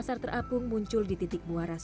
sky ingxx kamm kiri enhijak suaranya